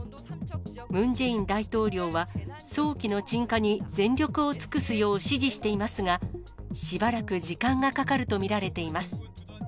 ムン・ジェイン大統領は、早期の鎮火に全力を尽くすよう、指示していますが、しばらく時間がかかると見られています。